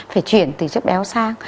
phải chuyển từ chất béo sang